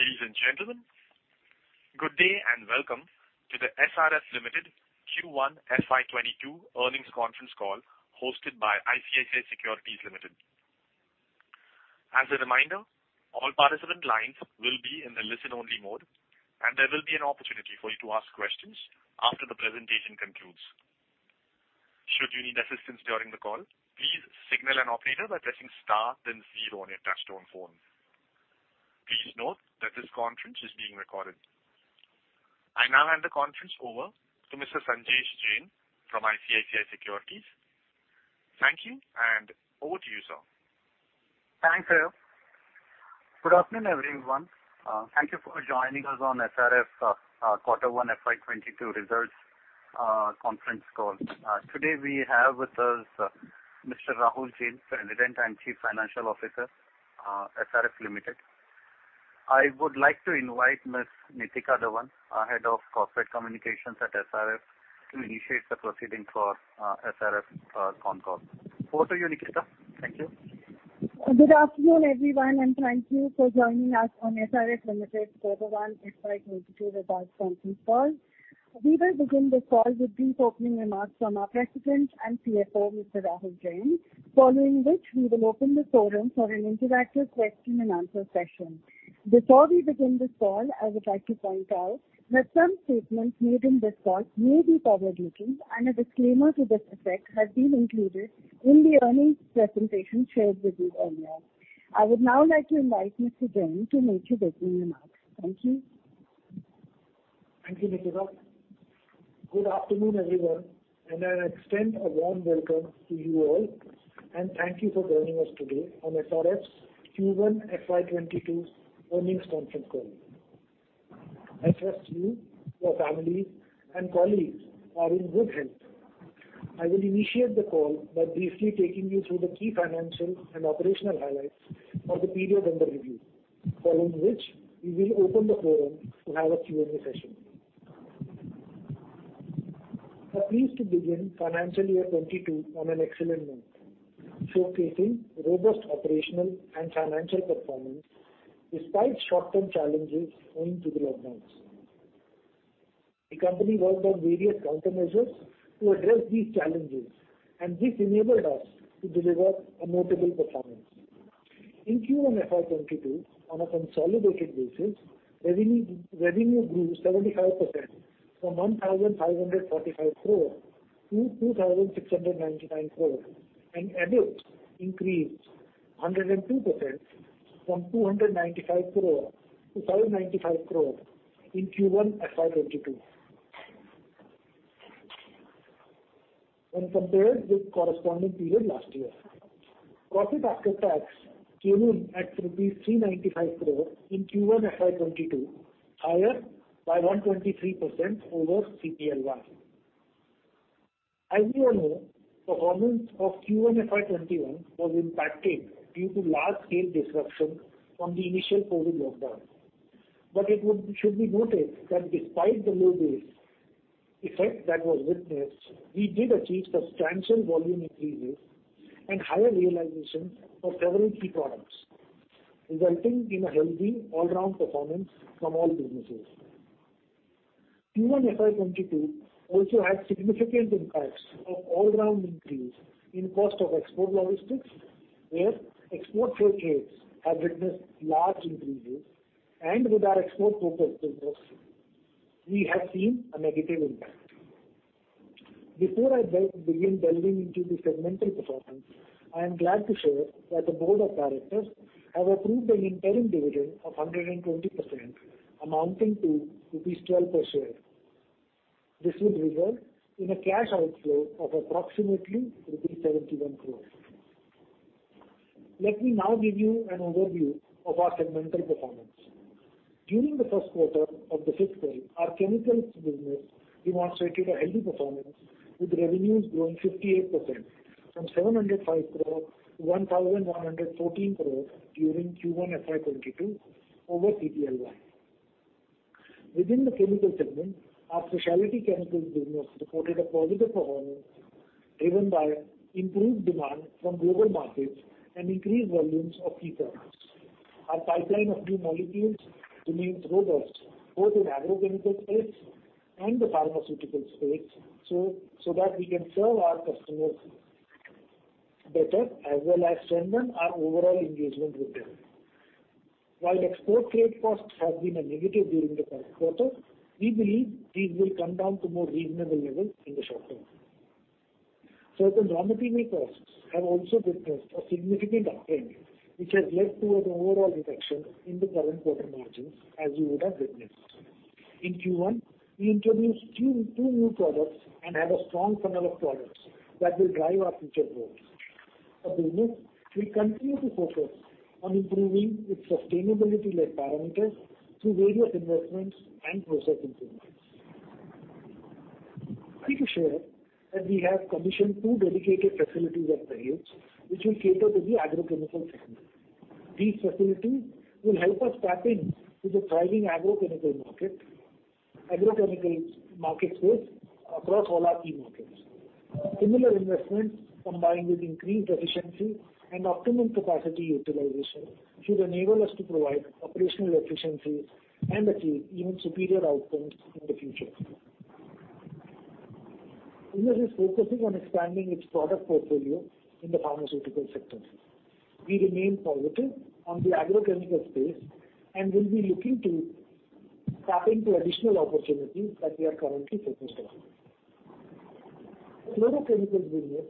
Ladies and gentlemen, good day and welcome to the SRF Limited Q1 FY 2022 earnings conference call hosted by ICICI Securities Limited. As a reminder, all participant lines will be in the listen only mode, and there will be an opportunity for you to ask questions after the presentation concludes. Should you need assistance during the call, please signal an operator by pressing star then zero on your touchtone phone. Please note that this conference is being recorded. I now hand the conference over to Mr. Sanjesh Jain from ICICI Securities. Thank you and over to you, sir. Thanks, Arif. Good afternoon, everyone. Thank you for joining us on SRF's quarter one FY 2022 results conference call. Today we have with us Mr. Rahul Jain, President and Chief Financial Officer, SRF Limited. I would like to invite Ms. Nitika Dhawan, Head of Corporate Communications at SRF, to initiate the proceedings for SRF con call. Over to you, Nitika. Thank you. Good afternoon, everyone, and thank you for joining us on SRF Limited quarter one FY 2022 results conference call. We will begin this call with brief opening remarks from our President and CFO, Mr. Rahul Jain. Following which we will open the forum for an interactive question-and-answer session. Before we begin this call, I would like to point out that some statements made in this call may be forward-looking and a disclaimer to this effect has been included in the earnings presentation shared with you earlier. I would now like to invite Mr. Jain to make the opening remarks. Thank you. Thank you, Nitika. Good afternoon, everyone, and I extend a warm welcome to you all, and thank you for joining us today on SRF's Q1 FY 2022 earnings conference call. I trust you, your family, and colleagues are in good health. I will initiate the call by briefly taking you through the key financial and operational highlights for the period under review. Following which we will open the forum to have a Q&A session. We're pleased to begin financial year 2022 on an excellent note, showcasing robust operational and financial performance despite short-term challenges owing to the lockdowns. The company worked on various countermeasures to address these challenges, and this enabled us to deliver a notable performance. In Q1 FY 2022, on a consolidated basis, revenue grew 75%, from 1,545 crore to 2,699 crore, and EBIT increased 102%, from 295 crore to 595 crore in Q1 FY 2022 when compared with corresponding period last year. Profit after tax came in at INR 395 crore in Q1 FY 2022, higher by 123% over Q1 FY 2021. As you all know, performance of Q1 FY 2021 was impacted due to large-scale disruption from the initial COVID-19 lockdown. It should be noted that despite the low base effect that was witnessed, we did achieve substantial volume increases and higher realization for several key products, resulting in a healthy all-round performance from all businesses. Q1 FY 2022 also had significant impacts of all-round increase in cost of export logistics, where export freight rates have witnessed large increases and with our export-focused business, we have seen a negative impact. Before I begin delving into the segmental performance, I am glad to share that the board of directors have approved an interim dividend of 120%, amounting to rupees 12 per share. This will result in a cash outflow of approximately rupees 71 crore. Let me now give you an overview of our segmental performance. During the first quarter of the fiscal year, our chemicals business demonstrated a healthy performance with revenues growing 58%, from 705 crore to 1,114 crore during Q1 FY 2022 over Q1 FY 2021. Within the chemical segment, our specialty chemicals business reported a positive performance driven by improved demand from global markets and increased volumes of key products. Our pipeline of new molecules remains robust, both in agrochemical space and the pharmaceutical space, so that we can serve our customers better as well as strengthen our overall engagement with them. While export freight costs have been a negative during the current quarter, we believe these will come down to more reasonable levels in the short term. Certain raw material costs have also witnessed a significant uptrend, which has led to an overall reduction in the current quarter margins, as you would have witnessed. In Q1, we introduced two new products and have a strong funnel of products that will drive our future growth. Our business will continue to focus on improving its sustainability parameters through various investments and process improvements. Happy to share that we have commissioned two dedicated facilities at Dahej, which will cater to the agrochemical segment. These facilities will help us tap into the thriving agrochemical market space across all our key markets. Similar investments, combined with increased efficiency and optimum capacity utilization, should enable us to provide operational efficiencies and achieve even superior outcomes in the future. SRF is focusing on expanding its product portfolio in the pharmaceutical sector. We remain positive on the agrochemical space and will be looking to tap into additional opportunities that we are currently focused on. Fluorochemicals business,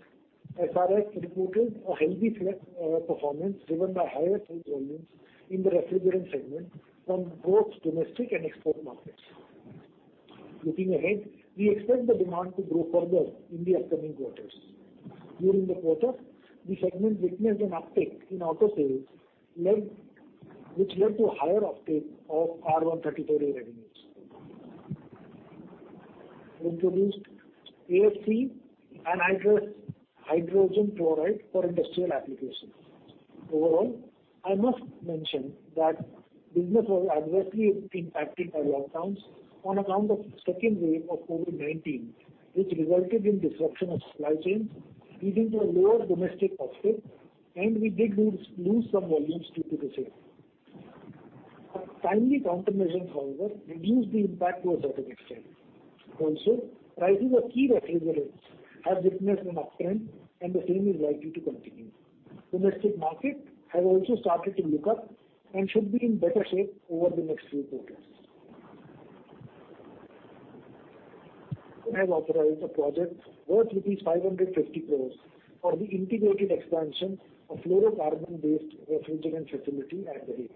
SRF reported a healthy performance driven by higher sales volumes in the refrigerant segment from both domestic and export markets. Looking ahead, we expect the demand to grow further in the upcoming quarters. During the quarter, the segment witnessed an uptick in auto sales, which led to higher uptake of R-134a revenues. Introduced AHF Anhydrous Hydrogen Fluoride for industrial applications. Overall, I must mention that business was adversely impacted by lockdowns on account of second wave of COVID-19, which resulted in disruption of supply chains leading to a lower domestic offtake, and we did lose some volumes due to the same. Our timely countermeasures, however, reduced the impact to a certain extent. Prices of key refrigerants have witnessed an uptrend, and the same is likely to continue. Domestic markets have also started to look up and should be in better shape over the next few quarters. We have authorized a project worth rupees 550 crores for the integrated expansion of fluorocarbon-based refrigerant facility at Dahej.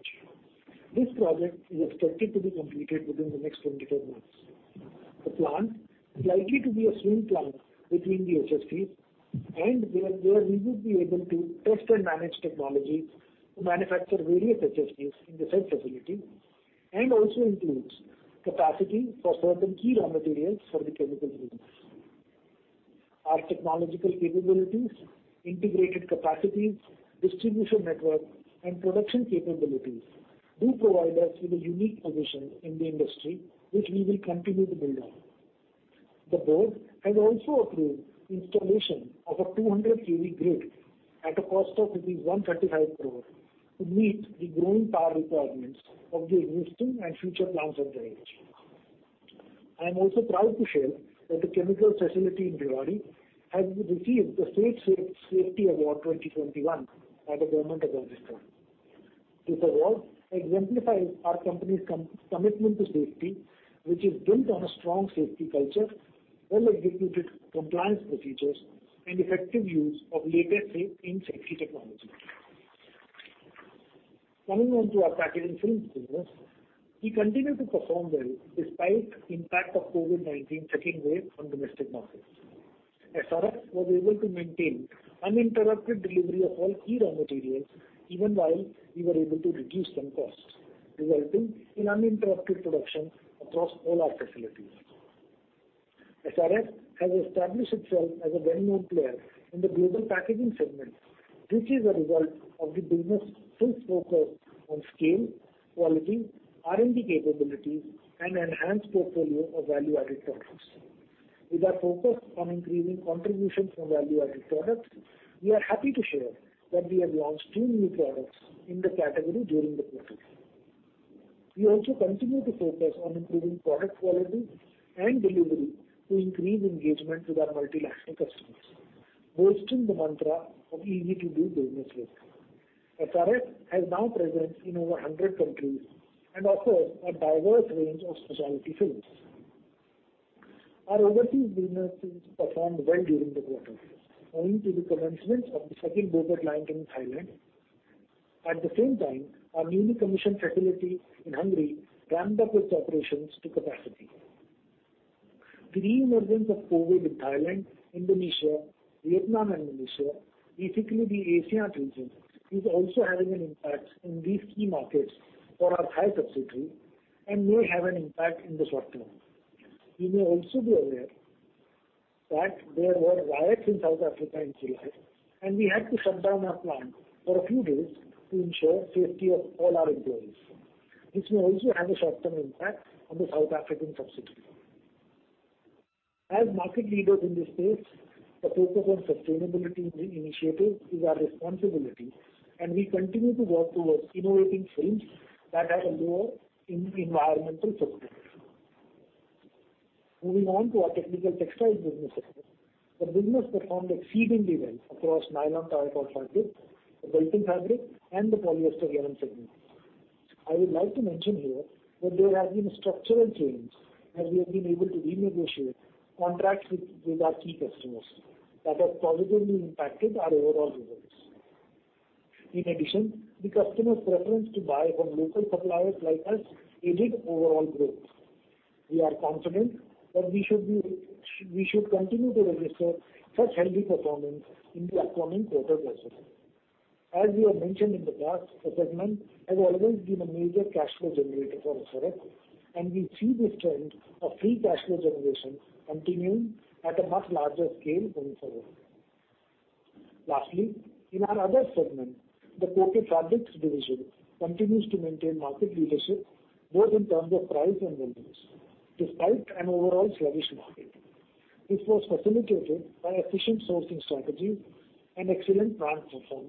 This project is expected to be completed within the next 24 months. The plant is likely to be a swing plant between the HFCs and where we would be able to test and manage technology to manufacture various HFCs in the same facility, and also includes capacity for certain key raw materials for the chemicals business. Our technological capabilities, integrated capacities, distribution network, and production capabilities do provide us with a unique position in the industry, which we will continue to build on. The board has also approved installation of a 200 KV grid at a cost of rupees 135 crore to meet the growing power requirements of the existing and future plants at Dahej. I am also proud to share that the chemical facility in Bhiwadi has received the State Safety Award 2021 by the Government of Rajasthan. This award exemplifies our company's commitment to safety, which is built on a strong safety culture, well-executed compliance procedures, and effective use of latest in safety technology. Coming on to our packaging films business. We continued to perform well despite impact of COVID-19 second wave on domestic markets. SRF was able to maintain uninterrupted delivery of all key raw materials, even while we were able to reduce some costs, resulting in uninterrupted production across all our facilities. SRF has established itself as a well-known player in the global packaging segment, which is a result of the business' full focus on scale, quality, R&D capabilities, and enhanced portfolio of value-added products. With our focus on increasing contribution from value-added products, we are happy to share that we have launched two new products in the category during the quarter. We also continue to focus on improving product quality and delivery to increase engagement with our multinational customers, boosting the mantra of easy to do business with. SRF has now presence in over 100 countries and offers a diverse range of specialty films. Our overseas businesses performed well during the quarter, owing to the commencement of the second BOPET line in Thailand. At the same time, our newly commissioned facility in Hungary ramped up its operations to capacity. The reemergence of COVID-19 in Thailand, Indonesia, Vietnam, and Malaysia, basically the Asian region, is also having an impact in these key markets for our Thai subsidiary and may have an impact in the short term. You may also be aware that there were riots in South Africa in July, and we had to shut down our plant for a few days to ensure safety of all our employees. This may also have a short-term impact on the South African subsidiary. As market leaders in this space, the focus on sustainability initiatives is our responsibility, and we continue to work towards innovating films that have a lower environmental footprint. Moving on to our technical textiles business. The business performed exceedingly well across nylon tire cord fabric, the belting fabric, and the polyester yarn segment. I would like to mention here that there have been structural changes as we have been able to renegotiate contracts with our key customers that have positively impacted our overall results. In addition, the customers' preference to buy from local suppliers like us aided overall growth. We are confident that we should continue to register such healthy performance in the upcoming quarters also. As we have mentioned in the past, the segment has always been a major cash flow generator for SRF, and we see this trend of free cash flow generation continuing at a much larger scale going forward. Lastly, in our other segment, the coated fabrics division continues to maintain market leadership both in terms of price and volumes, despite an overall sluggish market. This was facilitated by efficient sourcing strategy and excellent plant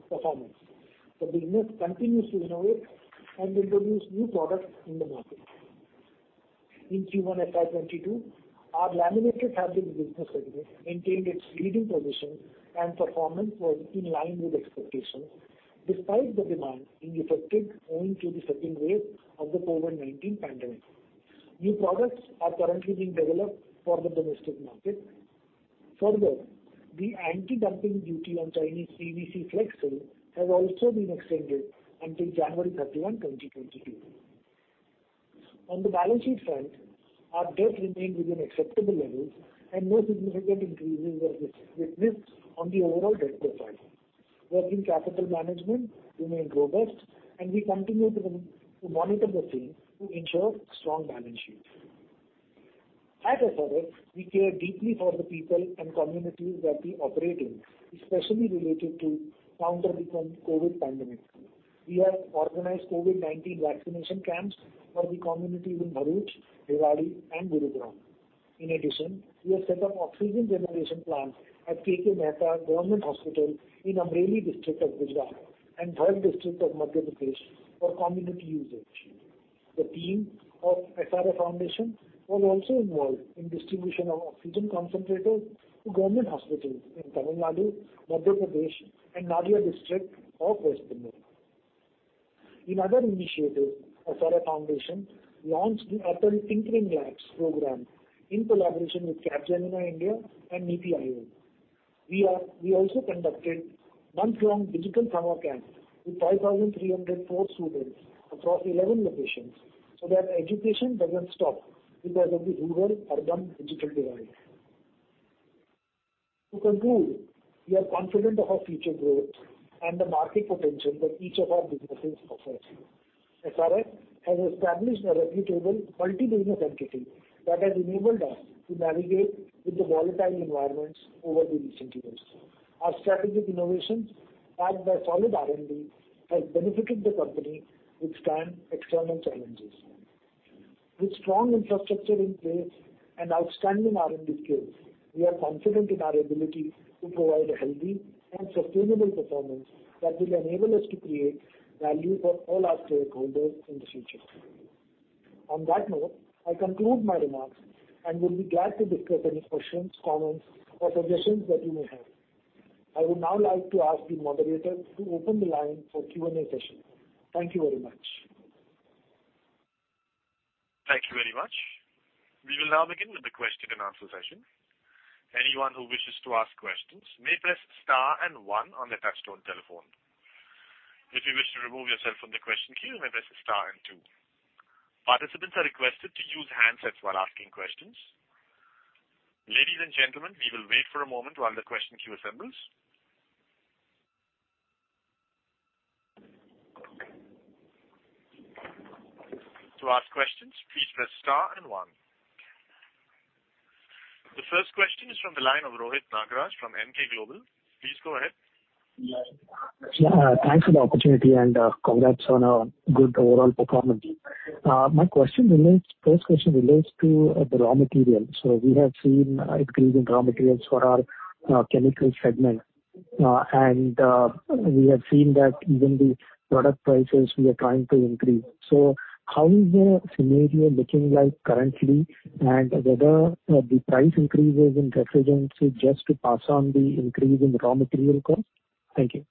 performance. The business continues to innovate and introduce new products in the market. In Q1 FY 2022, our laminated fabrics business segment maintained its leading position and performance was in line with expectations despite the demand being affected owing to the second wave of the COVID-19 pandemic. New products are currently being developed for the domestic market. Further, the anti-dumping duty on Chinese PVC flex film has also been extended until January 31, 2022. On the balance sheet front, our debt remained within acceptable levels, and no significant increases were witnessed on the overall debt profile. Working capital management remained robust, and we continue to monitor the same to ensure strong balance sheets. At SRF, we care deeply for the people and communities that we operate in, especially related to counter the COVID-19 pandemic. We have organized COVID-19 vaccination camps for the communities in Bharuch, Bhiwadi, and Gurugram. In addition, we have set up oxygen generation plant at K. K. Mehta Government Hospital in Amreli district of Gujarat, and Bhind district of Madhya Pradesh for community usage. The team of SRF Foundation was also involved in distribution of oxygen concentrators to government hospitals in Tamil Nadu, Madhya Pradesh, and Nadia district of West Bengal. In other initiatives, SRF Foundation launched the Atal Tinkering Labs program in collaboration with Capgemini India and NITI Aayog. We also conducted month-long digital summer camp with 5,304 students across 11 locations so that education doesn't stop because of the rural-urban digital divide. To conclude, we are confident of our future growth and the market potential that each of our businesses offers. SRF has established a reputable, multi-business entity that has enabled us to navigate with the volatile environments over the recent years. Our strategic innovations backed by solid R&D has benefited the company withstand external challenges. With strong infrastructure in place and outstanding R&D skills, we are confident in our ability to provide a healthy and sustainable performance that will enable us to create value for all our stakeholders in the future. On that note, I conclude my remarks and will be glad to discuss any questions, comments, or suggestions that you may have. I would now like to ask the moderator to open the line for Q&A session. Thank you very much. Thank you very much. We will now begin with the question-and-answer session. Participants are requested to use handsets while asking questions. Ladies and gentlemen, we will wait for a moment while the question queue assembles. The first question is from the line of Rohit Nagraj from Emkay Global. Please go ahead. Yeah. Thanks for the opportunity and congrats on a good overall performance. First question relates to the raw materials. We have seen increase in raw materials for our chemical segment. We have seen that even the product prices we are trying to increase. How is the scenario looking like currently, and whether the price increases in refrigerants is just to pass on the increase in the raw material cost? Thank you.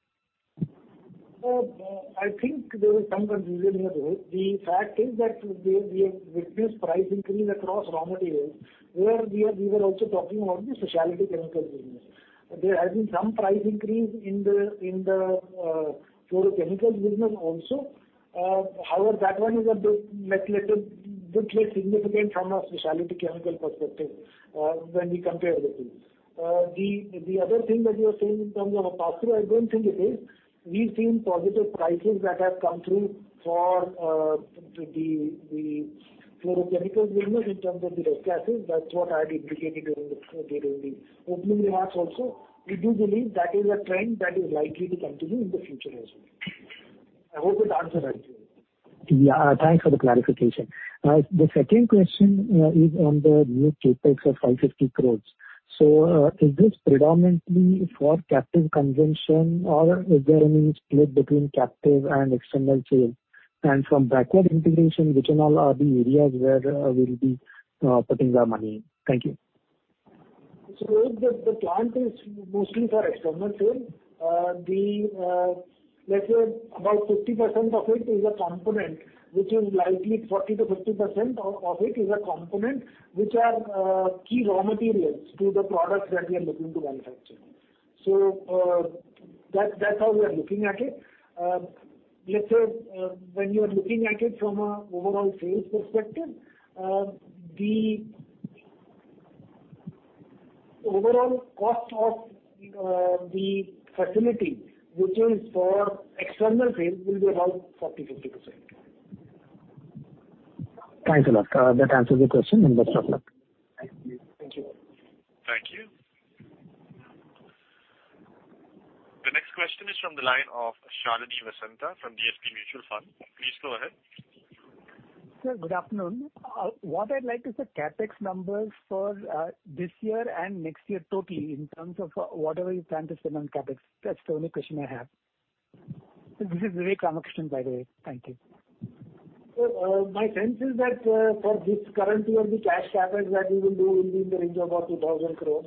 I think there is some confusion here, Rohit. The fact is that we have witnessed price increase across raw materials. Where we were also talking about the specialty chemical business. There has been some price increase in the fluorochemicals business also. However, that one is a bit less significant from a specialty chemical perspective when we compare the two. The other thing that you are saying in terms of a pass-through, I don't think it is. We've seen positive prices that have come through for the fluorochemicals business in terms of the gases. That's what I had indicated during the opening remarks also. We do believe that is a trend that is likely to continue in the future as well. I hope it answers your question. Yeah. Thanks for the clarification. The second question is on the new CapEx of 550 crores. Is this predominantly for captive consumption or is there any split between captive and external sales? From backward integration, which all are the areas where we'll be putting the money in? Thank you. Rohit, the plant is mostly for external sales. Let's say about 50% of it is a component, which is likely 40%-50% of it is a component, which are key raw materials to the products that we are looking to manufacture. That's how we are looking at it. Let's say when you are looking at it from a overall sales perspective, the overall cost of the facility, which is for external sales, will be around 40%, 50%. Thanks a lot. That answers the question and best of luck. Thank you. Thank you. The next question is from the line of Shalini Vasanta from DSP Mutual Fund. Please go ahead. Sir, good afternoon. What I'd like is the CapEx numbers for this year and next year total in terms of whatever you plan to spend on CapEx. That's the only question I have. This is Vivek Ramakrishnan, by the way. Thank you. My sense is that for this current year, the cash CapEx that we will do will be in the range of about 2,000 crores.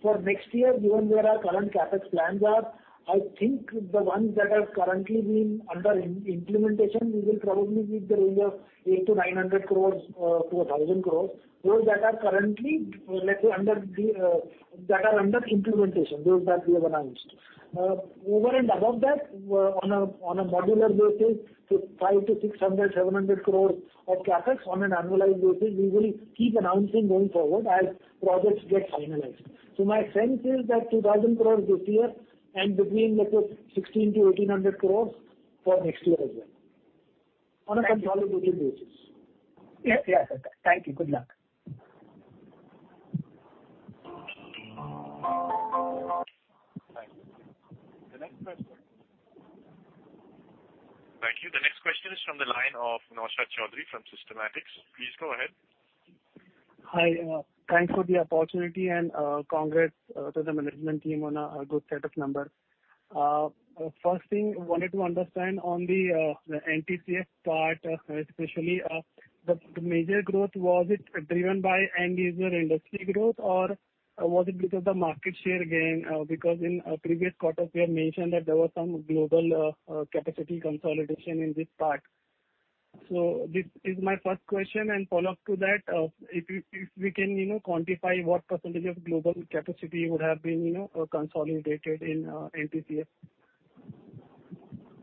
For next year, given where our current CapEx plans are, I think the ones that are currently being under implementation, we will probably be in the range of 800-900 crores to 1,000 crores. Those that are currently under implementation, those that we have announced. Over and above that, on a modular basis, 500-600, 700 crores of CapEx on an annualized basis, we will keep announcing going forward as projects get finalized. So my sense is that 2,000 crores this year and between 1,600-1,800 crores for next year as well, on a consolidated basis. Yes, sir. Thank you. Good luck. Thank you. Thank you. The next question is from the line of Naushad Chaudhary from Systematix. Please go ahead. Hi. Thanks for the opportunity, and congrats to the management team on a good set of numbers. First thing, wanted to understand on the NTCF part, especially the major growth. Was it driven by end-user industry growth, or was it because of the market share gain? In previous quarters, we have mentioned that there was some global capacity consolidation in this part. This is my first question, and follow-up to that, if we can quantify what percent of global capacity would have been consolidated in NTCF.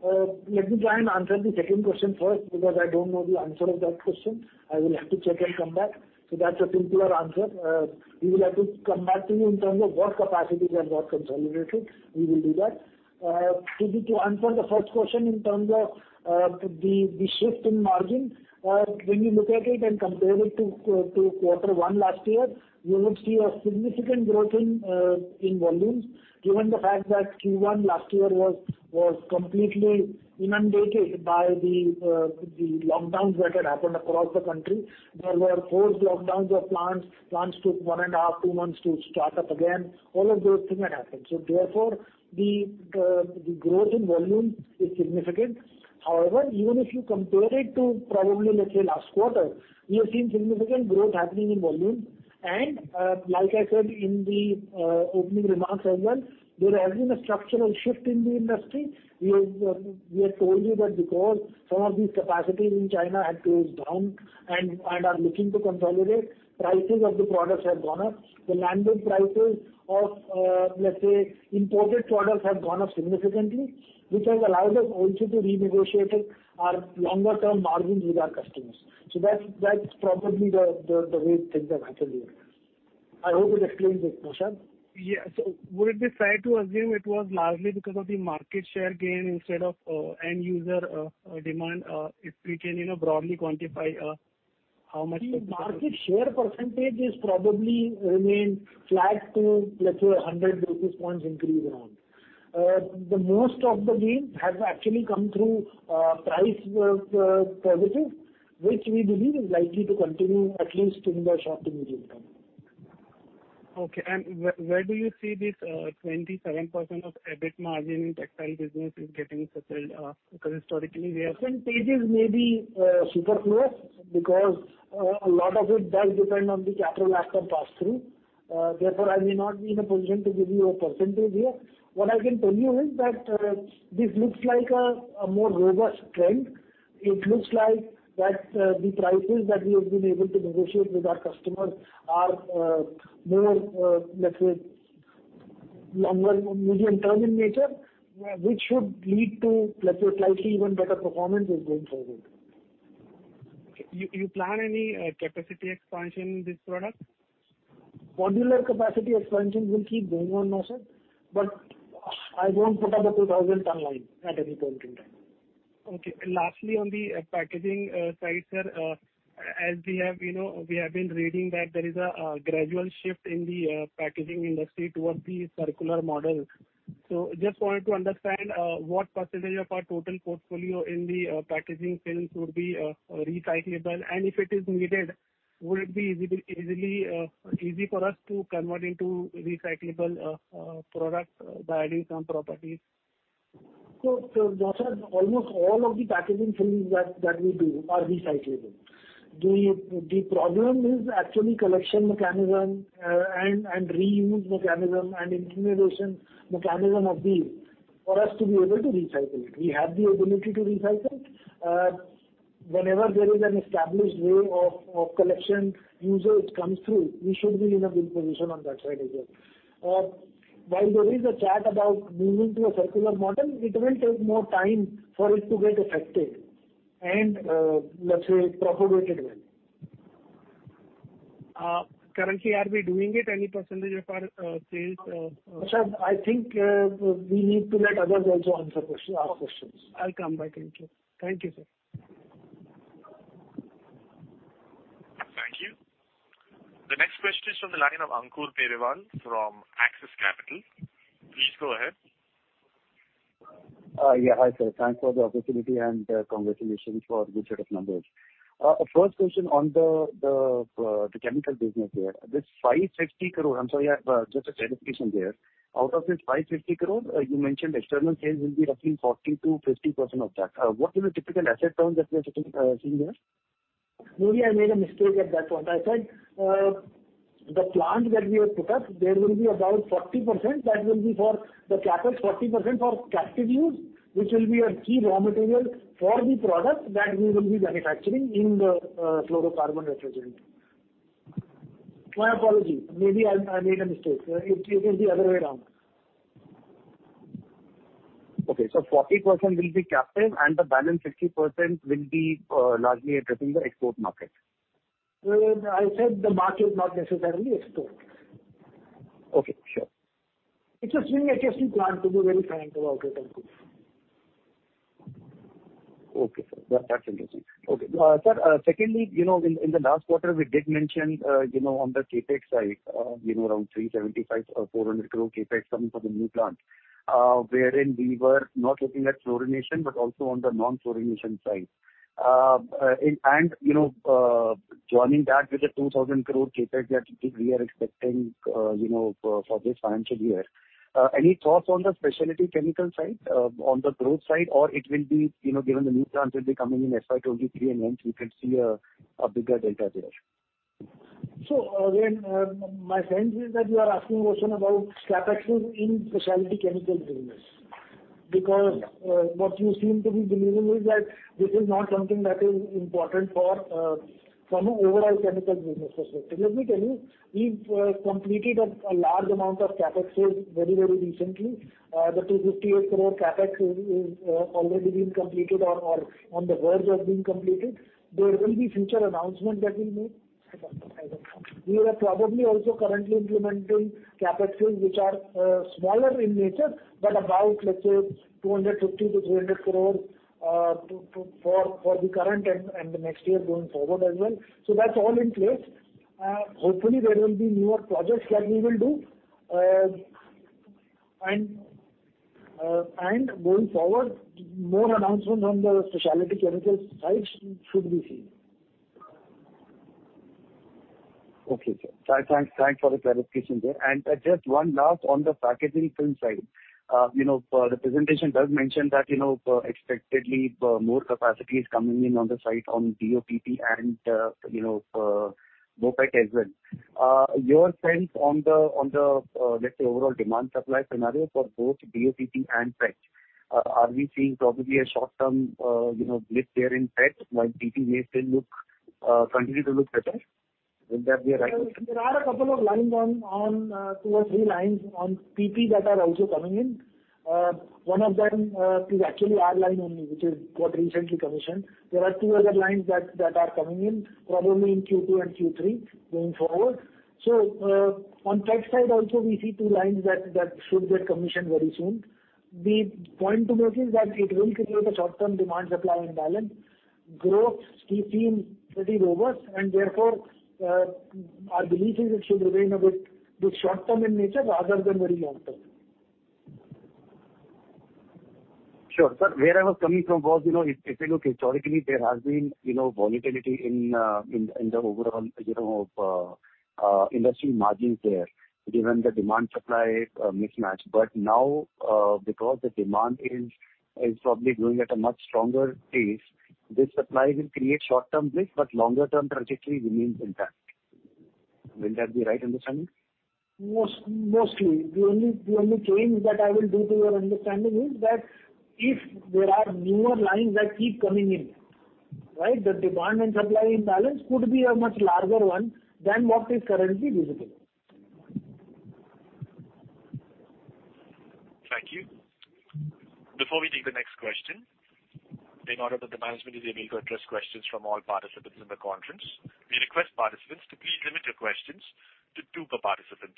Let me try and answer the second question first, because I don't know the answer to that question. I will have to check and come back. That's a simpler answer. We will have to come back to you in terms of what capacities are got consolidated. We will do that. To answer the first question in terms of the shift in margin. When you look at it and compare it to quarter one last year, you would see a significant growth in volumes, given the fact that Q1 last year was completely inundated by the lockdowns that had happened across the country. There were forced lockdowns of plants. Plants took one and a half, two months to start up again. All of those things had happened. Therefore, the growth in volume is significant. However, even if you compare it to probably, let's say, last quarter, we have seen significant growth happening in volume. Like I said in the opening remarks as well, there has been a structural shift in the industry. We have told you that because some of these capacities in China had closed down and are looking to consolidate, prices of the products have gone up. The landed prices of imported products have gone up significantly, which has allowed us also to renegotiate our longer-term margins with our customers. That's probably the way things have happened here. I hope it explains it, Naushad. Yes. Would it be fair to assume it was largely because of the market share gain instead of end-user demand? If we can broadly quantify how much? The market share percentage has probably remained flat to, let's say, 100 basis points increase around. Most of the gain has actually come through price positives, which we believe is likely to continue at least in the short to medium term. Okay. Where do you see this 27% of EBIT margin in textile business getting settled? Percentages may be superfluous because a lot of it does depend on the capital outcome pass-through. Therefore, I may not be in a position to give you a percentage here. What I can tell you is that this looks like a more robust trend. It looks like that the prices that we have been able to negotiate with our customers are more longer, medium-term in nature, which should lead to slightly even better performance going forward. You plan any capacity expansion this product? Modular capacity expansions will keep going on, Naushad, but I won't put up a 2000 timeline at any point in time. Okay. Lastly, on the packaging side, sir, as we have been reading that there is a gradual shift in the packaging industry towards the circular model. Just wanted to understand what percentage of our total portfolio in the packaging films would be recyclable, and if it is needed, would it be easy for us to convert into recyclable products by adding some properties? Naushad, almost all of the packaging films that we do are recyclable. The problem is actually collection mechanism and reuse mechanism and implementation mechanism for us to be able to recycle it. We have the ability to recycle. Whenever there is an established way of collection usage comes through, we should be in a good position on that side as well. While there is a chat about moving to a circular model, it will take more time for it to get effective and propagated well. Currently, are we doing it? Any percentage of our sales. Sir, I think we need to let others also ask questions. Okay. I'll come back into it. Thank you, sir. Thank you. The next question is from the line of Ankur Periwal from Axis Capital. Please go ahead. Yeah. Hi, sir. Thanks for the opportunity, and congratulations for the good set of numbers. First question on the chemical business there. This 560 crore, I'm sorry, just a clarification there. Out of this 560 crore, you mentioned external sales will be roughly 40%-50% of that. What is the typical asset turn that we're looking at seeing there? Maybe I made a mistake at that point. I said the plant that we have put up, there will be about 40%, that will be for the captive 40% for captive use, which will be a key raw material for the product that we will be manufacturing in the fluorocarbon refrigerant. My apologies. Maybe I made a mistake. It is the other way around. Okay. 40% will be captive and the balance 50% will be largely addressing the export market. I said the market, not necessarily export. Okay, sure. It's a swing HFC plant, to be very frank about it, Ankur. Okay, sir. That's interesting. Okay. Sir, secondly, in the last quarter, we did mention on the CapEx side around 375 crore or 400 crore CapEx coming from the new plant, wherein we were not looking at fluorination, but also on the non-fluorination side. Joining that with the 2,000 crore CapEx that we are expecting for this financial year. Any thoughts on the specialty chemical side, on the growth side? It will be, given the new plant will be coming in FY 2023, and hence we can see a bigger delta there. Again, my sense is that you are asking a question about capital in specialty chemical business. Because what you seem to be believing is that this is not something that is important for some overall chemical business perspective. Let me tell you, we've completed a large amount of CapEx here very recently. The 258 crore CapEx has already been completed or on the verge of being completed. There will be future announcements that we make. We are probably also currently implementing CapExes, which are smaller in nature, but about, let's say, 250-200 crore for the current and the next year going forward as well. That's all in place. Hopefully, there will be newer projects that we will do. Going forward, more announcements on the specialty chemical side should be seen. Okay, sir. Thanks for the clarification there. Just one last on the packaging film side. The presentation does mention that expectedly more capacity is coming in on the side on BOPP and BOPET as well. Your sense on the, let's say, overall demand-supply scenario for both BOPP and PET. Are we seeing probably a short-term blip there in PET while PP may still continue to look better? Would that be a right? There are two or three lines on PP that are also coming in. One of them is actually our line only, which got recently commissioned. There are two other lines that are coming in, probably in Q2 and Q3 going forward. On PET side also we see two lines that should get commissioned very soon. The point to note is that it will create a short-term demand-supply imbalance. Growth still seems pretty robust. Therefore our belief is it should remain a bit short-term in nature rather than very long-term. Sure. Where I was coming from was, if you look historically, there has been volatility in the overall industry margins there, given the demand-supply mismatch. Now, because the demand is probably growing at a much stronger pace, this supply will create short-term blips, but longer-term trajectory remains intact. Will that be the right understanding? Mostly. The only change that I will do to your understanding is that if there are newer lines that keep coming in, the demand and supply imbalance could be a much larger one than what is currently visible. Thank you. Before we take the next question, in order that the management is able to address questions from all participants in the conference, we request participants to please limit your questions to two per participant.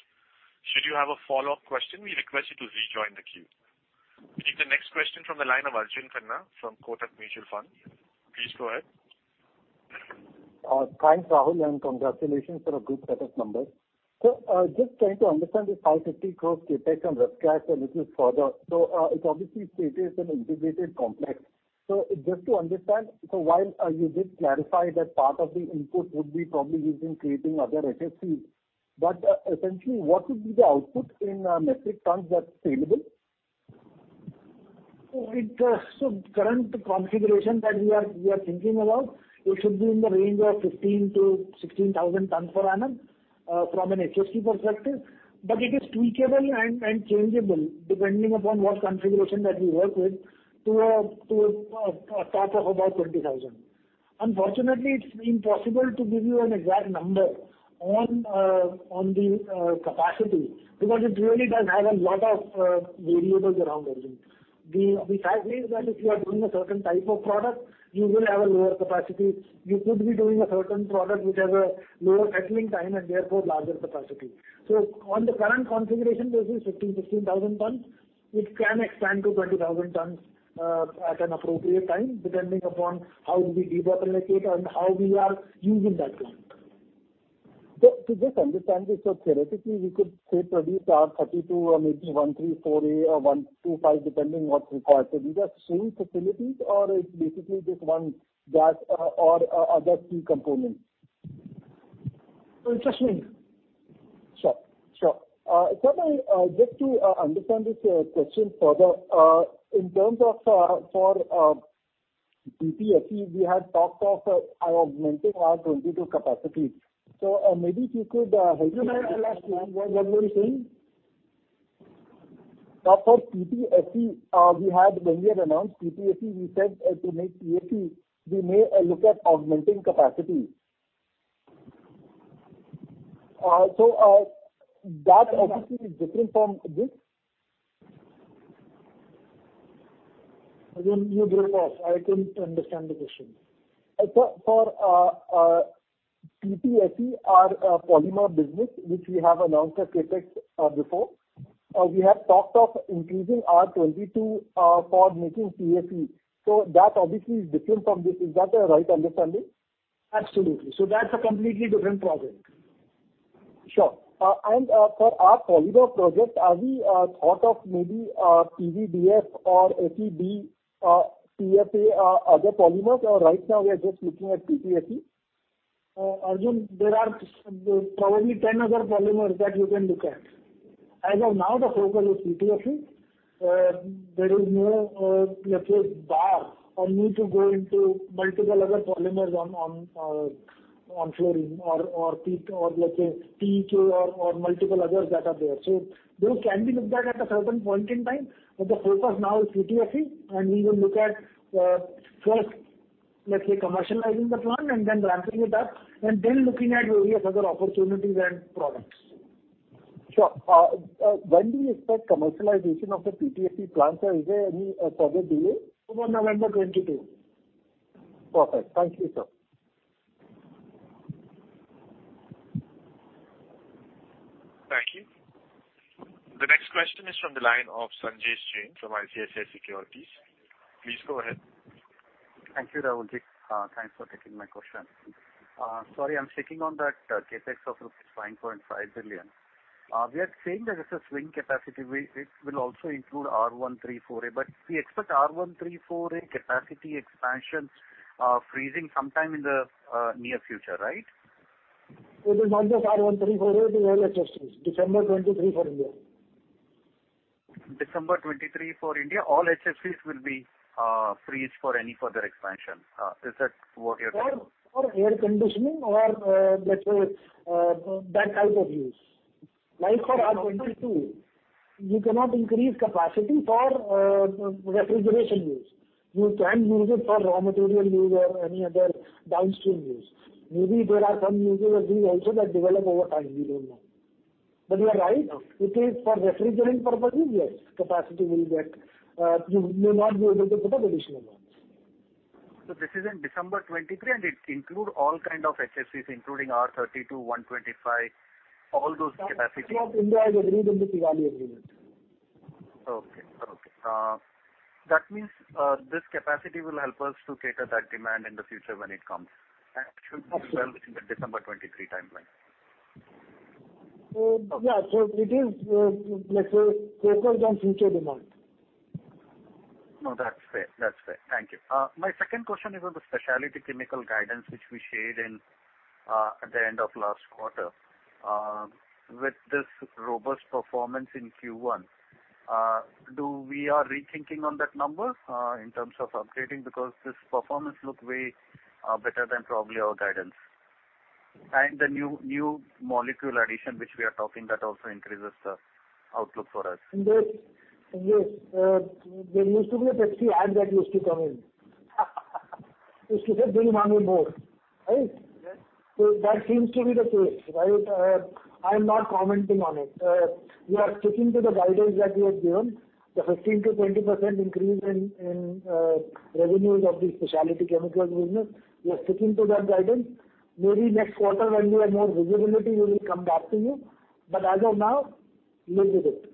Should you have a follow-up question, we request you to rejoin the queue. We take the next question from the line of Arjun Khanna from Kotak Mutual Fund. Please go ahead. Thanks, Rahul, and congratulations for a good set of numbers. Just trying to understand the 550 crore CapEx on Ref-Gas a little further. It obviously creates an integrated complex. Just to understand, so while you did clarify that part of the input would be probably used in creating other HFCs, but essentially, what would be the output in metric tons that's saleable? Current configuration that we are thinking about, it should be in the range of 15,000-16,000 tons per annum from an HFC perspective. It is tweakable and changeable depending upon what configuration that we work with to a top of about 20,000 tons. Unfortunately, it is impossible to give you an exact number on the capacity because it really does have a lot of variables around everything. The fact is that if you are doing a certain type of product, you will have a lower capacity. You could be doing a certain product which has a lower settling time and therefore larger capacity. On the current configuration, this is 15,000, 16,000 tons. It can expand to 20,000 tons at an appropriate time, depending upon how we decarbonize it and how we are using that plant. To just understand this, so theoretically, we could produce R-32 or maybe 134 or 125, depending what's required. These are swing facilities or it's basically just one gas or other key components? It's a swing. Sure. Sir, just to understand this question further, in terms of for PTFE, we had talked of augmenting our F 22 capacity. Maybe if you could help me? Arjun, I lost. What were you saying? Talk of PTFE. When we had announced PTFE, we said to make PTFE, we may look at augmenting capacity. That obviously is different from this. Arjun, you broke off. I couldn't understand the question. For PTFE, our polymer business, which we have announced at CapEx before. We had talked of increasing our F 22 for making PTFE. That obviously is different from this. Is that a right understanding? Absolutely. That's a completely different project. Sure. For our polymer project, have we thought of maybe PVDF or FEP, PFA other polymers, or right now we are just looking at PTFE? Arjun, there are probably 10 other polymers that we can look at. As of now, the focus is PTFE. There is no, let's say, bar or need to go into multiple other polymers on fluorine or let's say, PEEK or multiple others that are there. Those can be looked at a certain point in time, but the focus now is PTFE, and we will look at first commercializing the plant and then ramping it up, and then looking at various other opportunities and products. Sure. When do you expect commercialization of the PTFE plant, sir? Is there any target date? November 2022. Perfect. Thank you, sir. Thank you. The next question is from the line of Sanjesh Jain from ICICI Securities. Please go ahead. Thank you, Rahul ji. Thanks for taking my question. Sorry, I'm sticking on that CapEx of rupees 5.5 billion. We are saying that it's a swing capacity. It will also include R-134a, but we expect R-134a capacity expansion freezing sometime in the near future, right? It is not just R-134a, it is all HFCs, December 2023 for India. December 2023 for India, all HFCs will be freezed for any further expansion. Is that what you're talking about? For air conditioning or let's say that type of use. Like for R-22, you cannot increase capacity for refrigeration use. You can use it for raw material use or any other downstream use. Maybe there are some uses that we also develop over time, we don't know. You are right. It is for refrigerating purposes, yes. You will not be able to put up additional ones. This is in December 2023, and it includes all kind of HFCs, including R-32, R-125, all those capacities. Capacity of India is agreed in the Kigali Amendment. Okay. That means this capacity will help us to cater that demand in the future when it comes. Absolutely. It should be well within the December 2023 timeline. Yeah. It is safer than future demand. No, that's fair. Thank you. My second question is on the specialty chemical guidance, which we shared at the end of last quarter. With this robust performance in Q1, are we rethinking on that number in terms of upgrading, because this performance looks way better than probably our guidance. The new molecule addition, which we are talking, that also increases the outlook for us. Yes. There used to be a Pepsi ad that used to come in. It used to say, "Dil maange more." Right? Yes. That seems to be the case, right? I'm not commenting on it. We are sticking to the guidance that we have given, the 15%-20% increase in revenues of the specialty chemicals business. We are sticking to that guidance. Maybe next quarter when we have more visibility, we will come back to you. As of now, live with it.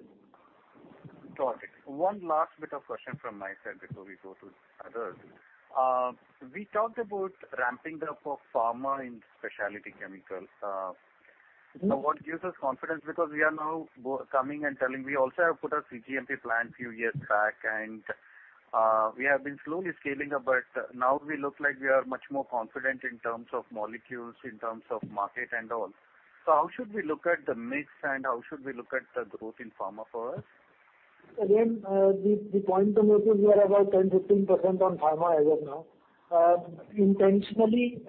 Got it. One last bit of question from my side before we go to others. We talked about ramping up of pharma in specialty chemicals. What gives us confidence, because we are now coming and telling we also have put a cGMP plant few years back, and we have been slowly scaling up, but now we look like we are much more confident in terms of molecules, in terms of market and all. How should we look at the mix and how should we look at the growth in pharma for us? Again, the point to note is we are about 10%-15% on pharma as of now. Intentionally,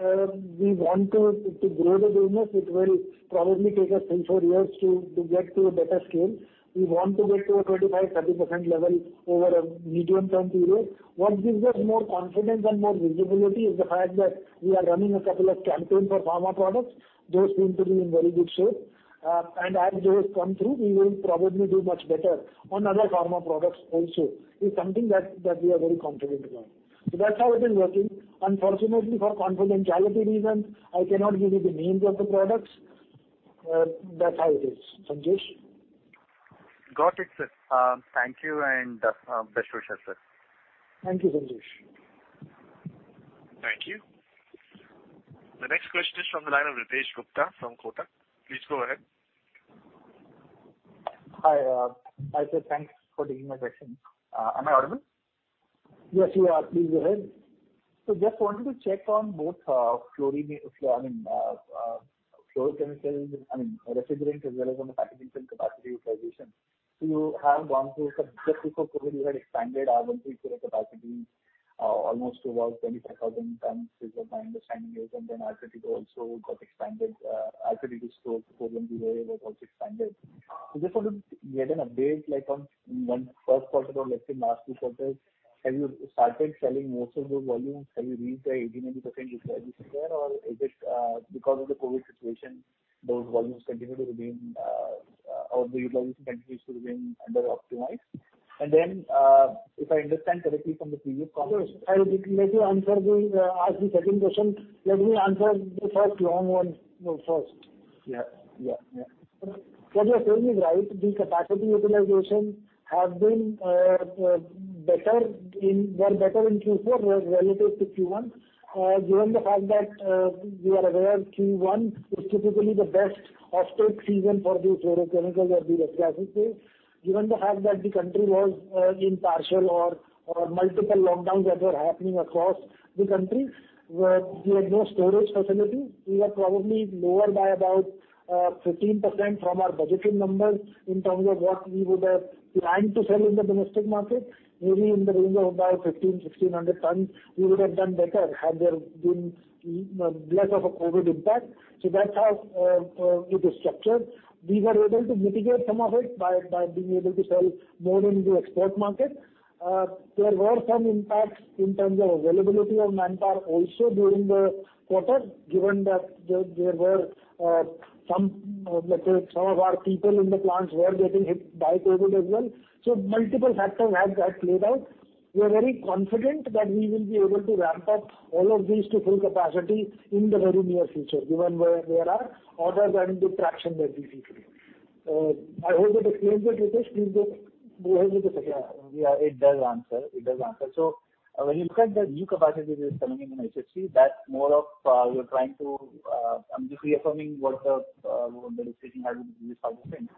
we want to grow the business. It will probably take us three, four years to get to a better scale. We want to get to a 25%-30% level over a medium-term period. What gives us more confidence and more visibility is the fact that we are running a couple of campaigns for pharma products. Those seem to be in very good shape. As Joe has come through, we will probably do much better on other pharma products also. It's something that we are very confident about. That's how it is working. Unfortunately, for confidentiality reasons, I cannot give you the names of the products. That's how it is. Sanjesh? Got it, sir. Thank you, and best wishes, sir. Thank you, Sanjesh. Thank you. The next question is from the line of Ritesh Gupta from Kotak. Please go ahead. Hi. Hi, sir. Thanks for taking my question. Am I audible? Yes, you are. Please go ahead. Just wanted to check on both fluorochemicals, I mean, refrigerant as well as on the packaging film capacity utilization. You have gone through, just before COVID-19, you had expanded R-134a capacity almost to about 25,000 tons, is what my understanding is. R-32 also got expanded. R-32 store before the COVID-19 was also expanded. Just want to get an update on when first quarter or let's say last few quarters, have you started selling most of those volumes? Have you reached the 80%-90% utilization there, or is it because of the COVID-19 situation, those volumes continue to remain or the utilization continues to remain under optimized? Let me answer the second question. Let me answer the first long one first. Yeah. What you're saying is right. The capacity utilization were better in Q4 relative to Q1. Given the fact that we are aware Q1 is typically the best of peak season for these fluorochemicals or these refrigerants. Given the fact that the country was in partial or multiple lockdowns that were happening across the country, we had no storage facility. We were probably lower by about 15% from our budgeted numbers in terms of what we would have planned to sell in the domestic market, maybe in the range of about 1,500-1,600 tons. We would have done better had there been less of a COVID impact. That's how it is structured. We were able to mitigate some of it by being able to sell more into export markets. There were some impacts in terms of availability of manpower also during the quarter, given that some of our people in the plants were getting hit by COVID as well. Multiple factors have played out. We are very confident that we will be able to ramp up all of these to full capacity in the very near future, given where there are orders and the traction that we see today. I hope that explains it, Ritesh. Please go ahead with the second one. Yeah, it does answer. When you look at the new capacity that is coming in in HFC, that's more of I'm just reaffirming what the management has been saying.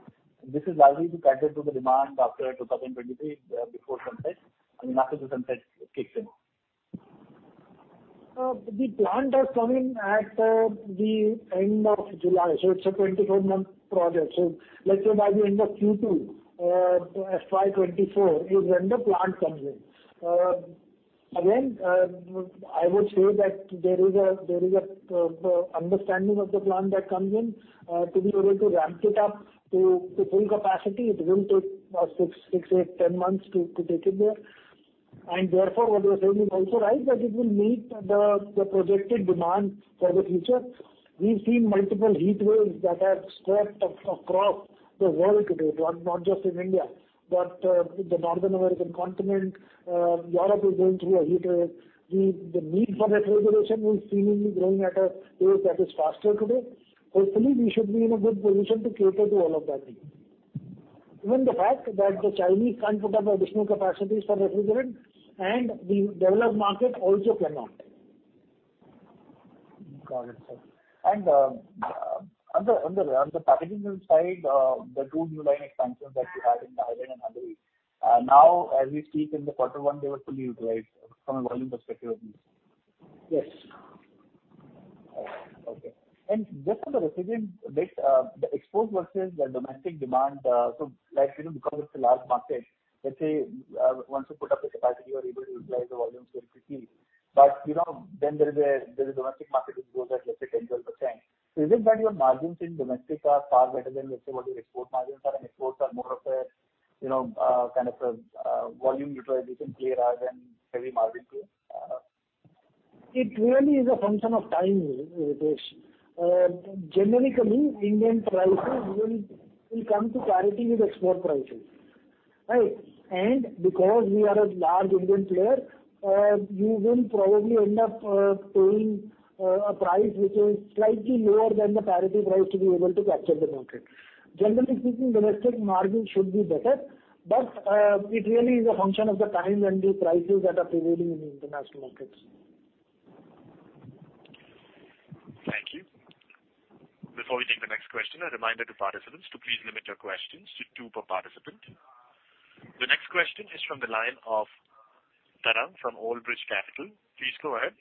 This is largely to cater to the demand after 2023, before sunset. I mean, after the sunset kicks in. The plant is coming at the end of July. It's a 24-month project. Let's say by the end of Q2 FY 2024 is when the plant comes in. Again, I would say that there is an understanding of the plant that comes in. To be able to ramp it up to full capacity, it will take six, eight, 10 months to take it there. Therefore, what you are saying is also right, that it will meet the projected demand for the future. We've seen multiple heat waves that have swept across the world today, not just in India, but the Northern American continent. Europe is going through a heat wave. The need for refrigeration is seemingly growing at a rate that is faster today. Hopefully, we should be in a good position to cater to all of that need. Given the fact that the Chinese can't put up additional capacities for refrigerant, and the developed market also cannot. Got it, sir. On the packaging side, the two new line expansions that you had in Dahod and Halol, now as we speak in the quarter 1, they were fully utilized from a volume perspective at least? Yes. Okay. Just on the refrigerant mix, the export versus the domestic demand. Like, because it's a large market, let's say, once you put up a capacity, you are able to utilize the volume very quickly. There is a domestic market which grows at, let's say, 10%-12%. Is it that your margins in domestic are far better than, let's say, what your export margins are, and exports are more of a kind of a volume utilization play rather than heavy margin play? It really is a function of time, Ritesh. Generically, Indian prices will come to parity with export prices, right? Because we are a large Indian player, you will probably end up paying a price which is slightly lower than the parity price to be able to capture the market. Generally speaking, domestic margins should be better, but it really is a function of the time and the prices that are prevailing in the international markets. Thank you. Before we take the next question, a reminder to participants to please limit your questions to two per participant. The next question is from the line of Tarang from Old Bridge Capital. Please go ahead.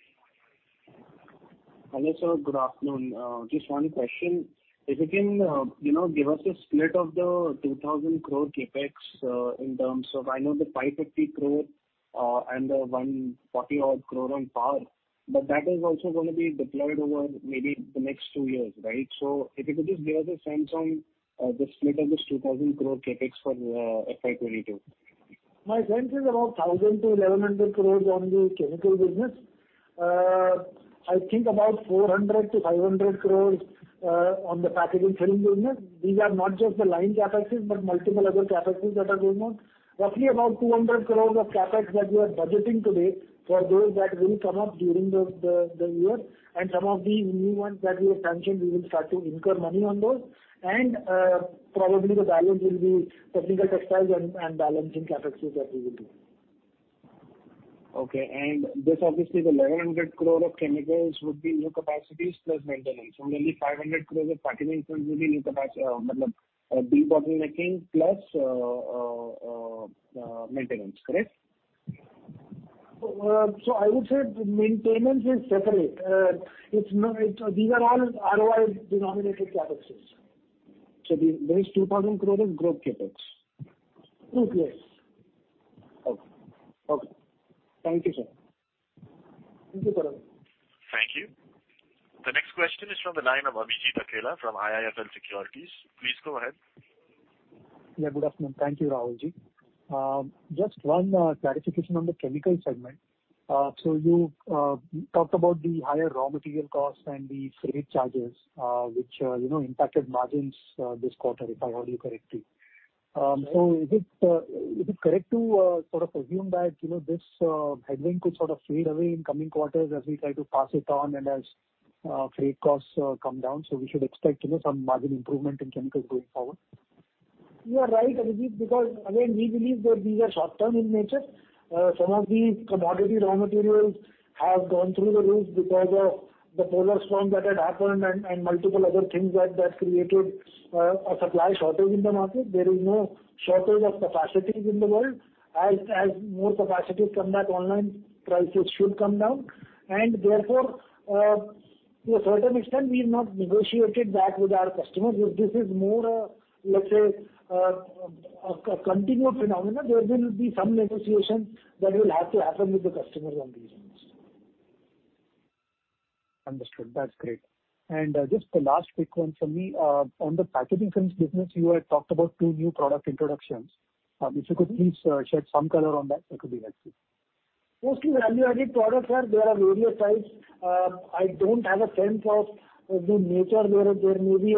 Hello, sir. Good afternoon. Just one question. If you can give us a split of the 2,000 crore CapEx in terms of, I know the 550 crore and the 140 odd crore on power. That is also going to be deployed over maybe the next two years, right? If you could just give us a sense on the split of this 2,000 crore CapEx for FY 2022. My sense is around 1,000 crores-1,100 crores on the chemical business. I think about 400 crores-500 crores on the packaging film business. These are not just the line CapExes, but multiple other CapExes that are going on. Roughly about 200 crores of CapEx that we are budgeting today for those that will come up during the year. Some of the new ones that we have mentioned, we will start to incur money on those. Probably the balance will be technical textiles and balancing CapExes that we will do. Okay. This obviously the 1,100 crore of chemicals would be new capacities plus maintenance. Only 500 crore of packaging films will be new capacity, de-bottlenecking plus maintenance. Correct? I would say maintenance is separate. These are all ROI-denominated CapExes. This INR 2,000 crore is gross CapEx. Yes. Okay. Thank you, sir. Thank you, Tarang. Thank you. The next question is from the line of Abhijit Akella from IIFL Securities. Please go ahead. Yeah, good afternoon. Thank you, Rahul Jain. Just one clarification on the chemical segment. You talked about the higher raw material cost and the freight charges, which impacted margins this quarter, if I heard you correctly. Is it correct to sort of assume that this headwind could sort of fade away in coming quarters as we try to pass it on and as freight costs come down, so we should expect some margin improvement in chemicals going forward? You are right, Abhijit. Again, we believe that these are short-term in nature. Some of the commodity raw materials have gone through the roof because of the polar storm that had happened and multiple other things that created a supply shortage in the market. There is no shortage of capacities in the world. As more capacities come back online, prices should come down. Therefore, to a certain extent, we've not negotiated that with our customers. If this is more a continued phenomenon, there will be some negotiation that will have to happen with the customers on these items. Understood. That's great. Just the last quick one from me. On the packaging films business, you had talked about two new product introductions. If you could please shed some color on that could be helpful. Mostly value-added products are there of various size. I don't have a sense of the nature there. There may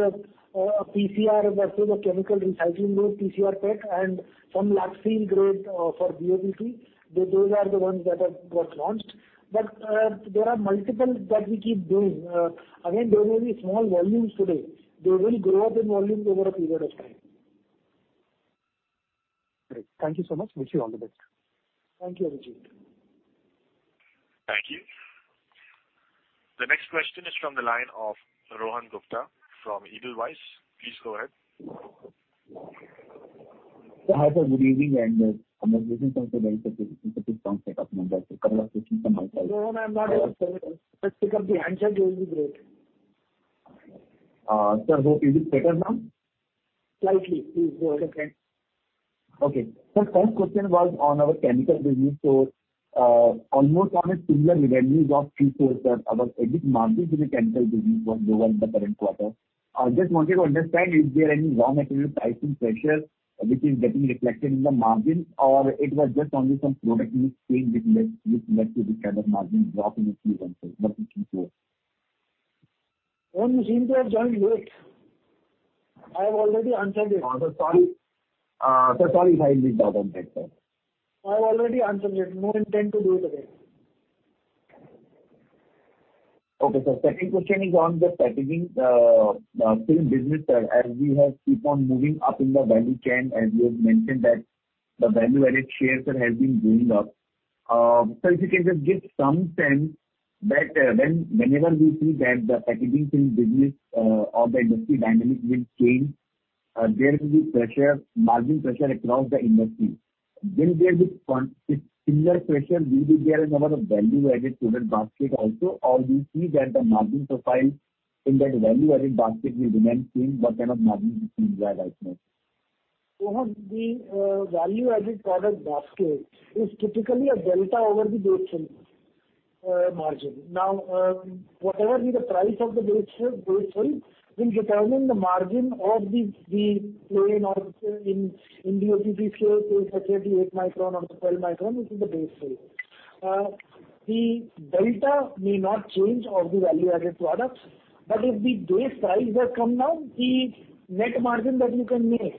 be a PCR versus a chemical recycling route, PCR PET, and some lap seal grade for BOPP. Those are the ones that got launched. There are multiple that we keep doing. Again, there may be small volumes today. They will grow up in volume over a period of time. Great. Thank you so much. Wish you all the best. Thank you, Abhijit. Thank you. The next question is from the line of Rohan Gupta from Edelweiss. Please go ahead. Hi sir, good evening. Rohan, I'm not able to hear you. Just pick up the handset, it will be great. Sir, is it better now? Slightly. Please go ahead, thanks. Okay. Sir, first question was on our chemical business. Almost on a similar revenues of Q4, sir, our EBIT margin in the chemical business was lower in the current quarter. I just wanted to understand, is there any raw material pricing pressure which is getting reflected in the margin, or it was just only some product mix change which led to this kind of margin drop in Q4? Rohan, it seems you have joined late. I have already answered it. Sir, sorry five weeks out on that, sir. I've already answered it. No intent to do it again. Okay, sir. Second question is on the packaging film business, sir, as we have keep on moving up in the value chain, as you have mentioned that the value-added share has been going up. Sir, if you can just give some sense that whenever we see that the packaging film business or the industry dynamics will change, there will be margin pressure across the industry. Will there be similar pressure? Will it be there in our value-added product basket also, or do you see that the margin profile in that value-added basket will remain same? What kind of margin you see there right now? Rohan, the value-added product basket is typically a delta over the base film margin. Now, whatever be the price of the base film will determine the margin of the plain or in BOPP films, whether it be 8 micron or the 12 micron, which is the base film. The delta may not change of the value-added products, but if the base price were to come down, the net margin that you can make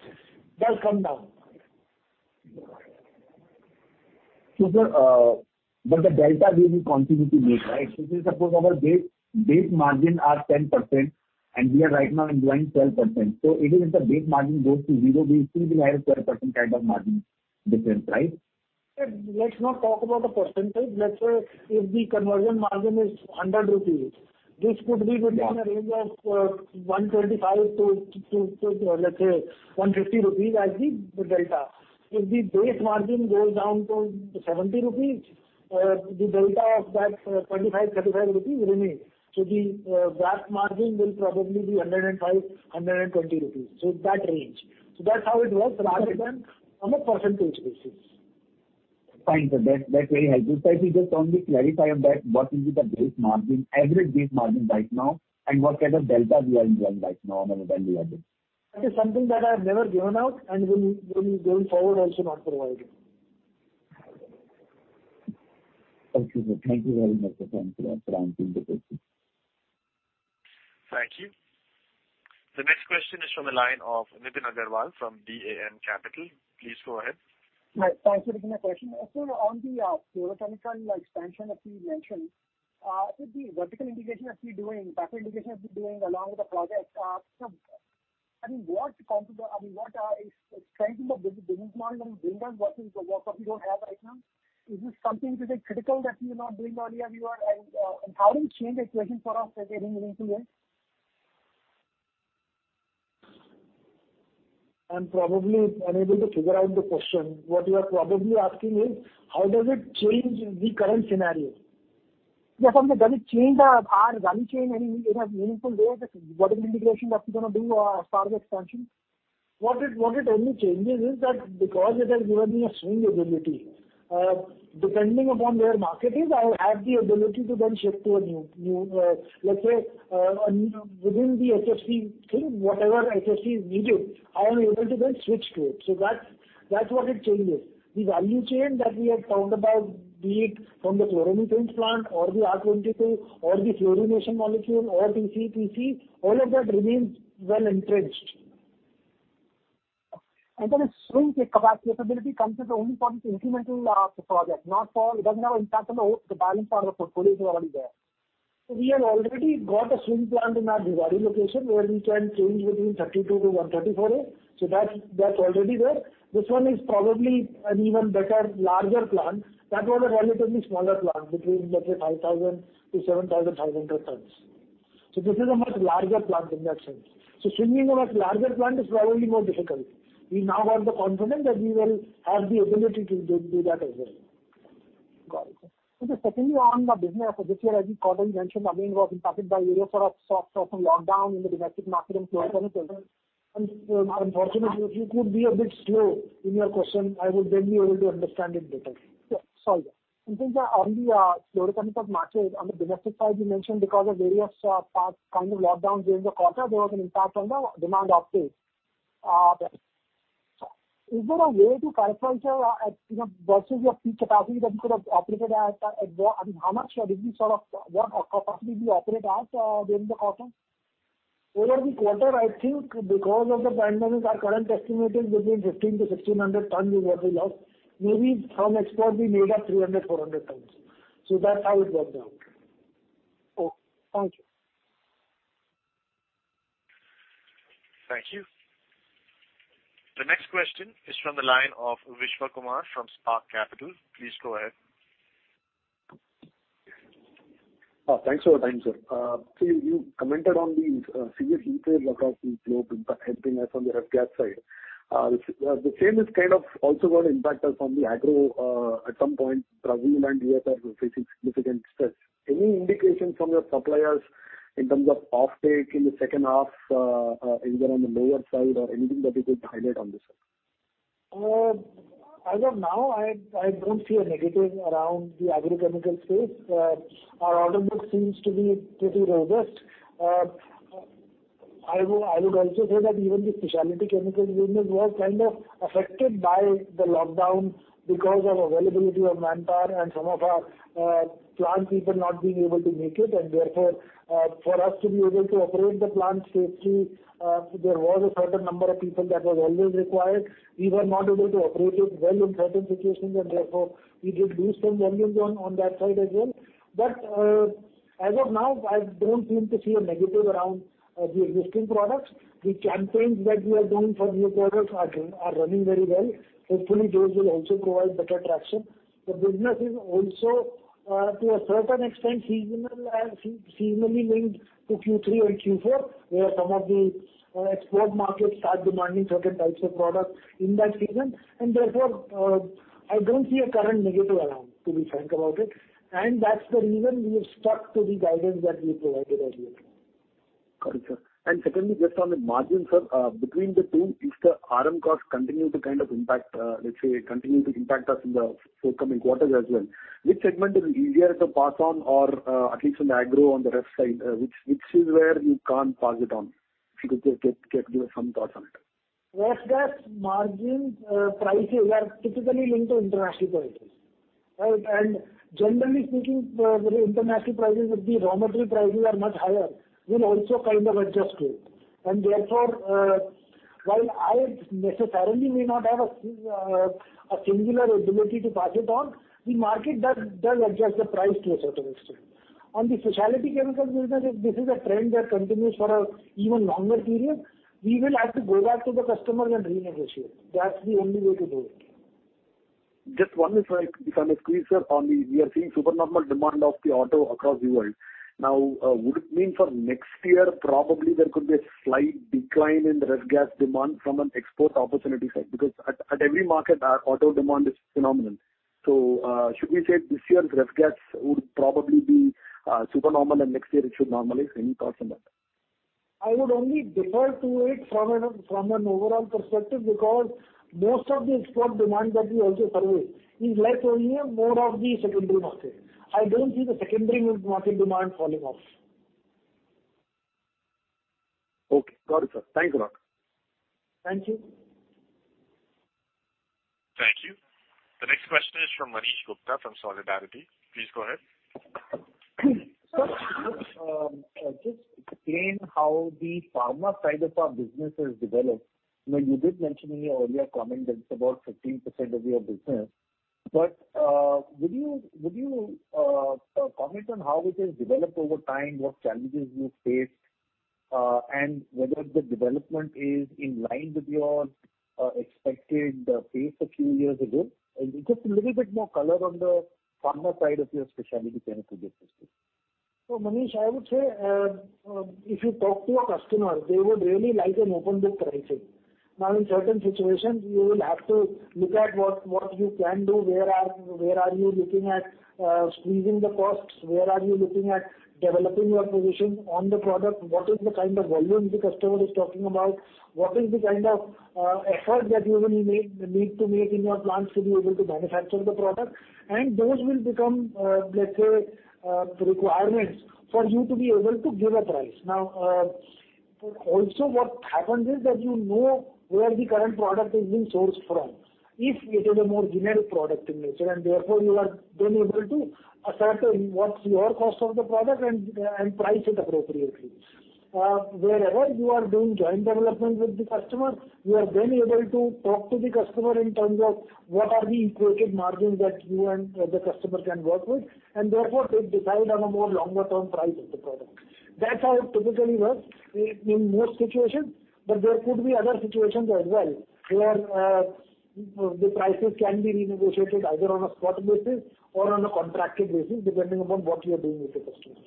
will come down. Sir, but the delta we will continue to make, right? Suppose our base margin are 10%, and we are right now enjoying 12%. Even if the base margin goes to zero, we still will have a 12% type of margin difference, right? Let's not talk about the percentage. Let's say if the conversion margin is 100 rupees, this could be within a range of 125-150 rupees as the delta. If the base margin goes down to 70 rupees, the delta of that 25, 35 rupees will remain. The gross margin will probably be 105, 120 rupees. That range. That's how it works rather than on a percentage basis. Fine, sir. That's very helpful. Sir, if you could only clarify that what will be the base margin, average base margin right now, and what kind of delta we are earning right now on a value added? That is something that I've never given out, and will going forward also not provide it. Okay, sir. Thank you very much for answering the question. Thank you. The next question is from the line of Nitin Agarwal from DAM Capital. Please go ahead. Right. Thank you. Good morning question. Sir, on the fluorochemical expansion that you mentioned, with the vertical integration that you're doing, backward integration that you're doing along with the project, sir, what is strengthening the business model and bring us what we don't have right now? Is this something today critical that we were not doing earlier? How it change equation for us getting into it? I'm probably unable to figure out the question. What you are probably asking is, how does it change the current scenario? Yes. Does it change our value chain any, it has meaningful layers, the vertical integration that you're going to do as far as expansion? What it only changes is that because it has given me a swing ability. Depending upon where market is, I will have the ability to then shift to a new Let's say, within the HFC thing, whatever HFC is needed, I'm able to then switch to it. That's what it changes. The value chain that we have talked about, be it from the chloromethane plant or the R-22 or the fluorination molecule or PCE, TCE, all of that remains well entrenched. The swing capability comes into only for this incremental project. Right now, in terms of the buying power, the portfolio is already there. We have already got a swing plant in our Bhiwadi location where we can change between R-32 to R-134a. That's already there. This one is probably an even better, larger plant. That was a relatively smaller plant between, let's say, 5,000-7,000 tons. This is a much larger plant in that sense. Swinging a much larger plant is probably more difficult. We now got the confidence that we will have the ability to do that as well. Got it. Secondly, on the business for this year, as you probably mentioned, again, was impacted by various sorts of lockdown in the domestic market and fluorochemicals. Unfortunately, if you could be a bit slow in your question, I would then be able to understand it better. Sure. Sorry. In terms of on the fluorochemical market, on the domestic side, you mentioned because of various kind of lockdowns during the quarter, there was an impact on the demand-supply. Is there a way to clarify, sir, versus your peak capacity that you could have operated at, how much or this sort of what capacity do you operate at during the quarter? Over the quarter, I think because of the pandemic, our current estimate is between 1,500 ton-1,600 ton is what we lost. Maybe from export, we made up 300, 400 tons. That's how it worked out. Okay. Thank you. Thank you. The next question is from the line of Vishnu Kumar from Spark Capital. Please go ahead. Thanks for the time, sir. You commented on the serious heatwaves across the globe impacting us on the Ref-Gas side. The same is kind of also got impacted from the agro, at some point, Brazil and U.S. are facing significant stress. Any indication from your suppliers in terms of off-take in the second half, either on the lower side or anything that you could highlight on this side? As of now, I don't see a negative around the agrochemical space. Our order book seems to be pretty robust. I would also say that even the specialty chemical business was kind of affected by the lockdown because of availability of manpower and some of our plant people not being able to make it, and therefore, for us to be able to operate the plant safely, there was a certain number of people that was always required. We were not able to operate it well in certain situations, and therefore, we did lose some volumes on that side as well. As of now, I don't seem to see a negative around the existing products. The campaigns that we are doing for new products are running very well. Hopefully, those will also provide better traction. The business is also to a certain extent seasonally linked to Q3 and Q4, where some of the export markets start demanding certain types of products in that season. Therefore, I don't see a current negative around, to be frank about it. That's the reason we have stuck to the guidance that we provided earlier. Got it, sir. Secondly, just on the margin, sir, between the two, if the RM costs continue to impact us in the forthcoming quarters as well, which segment is easier to pass on, or at least in the agro on the ref side, which is where you can't pass it on? If you could give some thoughts on it. Ref-Gas margin prices are typically linked to international prices. Right. Generally speaking, where the international prices of the raw material prices are much higher, we'll also kind of adjust to it. Therefore, while I necessarily may not have a singular ability to pass it on, the market does adjust the price to a certain extent. On the specialty chemical business, if this is a trend that continues for an even longer period, we will have to go back to the customer and renegotiate. That's the only way to do it. Just one, like, if I may squeeze, sir. We are seeing super normal demand of the auto across the world. Would it mean for next year, probably there could be a slight decline in the Ref-Gas demand from an export opportunity side? At every market, our auto demand is phenomenal. Should we say this year's Ref-Gas would probably be super normal and next year it should normalize? Any thoughts on that? I would only defer to it from an overall perspective, because most of the export demand that we also survey is let's say, more of the secondary market. I don't see the secondary market demand falling off. Okay, got it, sir. Thank you a lot. Thank you. Thank you. The next question is from Manish Gupta from Solidarity. Please go ahead. Sir, could you just explain how the pharma side of our business has developed? You did mention in your earlier comment that it's about 15% of your business, but would you comment on how it has developed over time, what challenges you faced, and whether the development is in line with your expected pace a few years ago? Just a little bit more color on the pharma side of your specialty chemicals business. Manish, I would say, if you talk to a customer, they would really like an open book pricing. In certain situations, you will have to look at what you can do, where are you looking at squeezing the costs, where are you looking at developing your position on the product, what is the kind of volume the customer is talking about, what is the kind of effort that you will need to make in your plants to be able to manufacture the product. Those will become, let's say, requirements for you to be able to give a price. Also what happens is that you know where the current product is being sourced from. If it is a more generic product in nature, and therefore you are then able to ascertain what's your cost of the product and price it appropriately. Wherever you are doing joint development with the customer, you are then able to talk to the customer in terms of what are the equated margins that you and the customer can work with, and therefore they decide on a more longer term price of the product. That's how it typically works in most situations, but there could be other situations as well, where the prices can be renegotiated either on a spot basis or on a contracted basis, depending upon what you're doing with your customers.